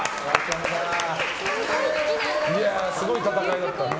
すごい戦いだったな。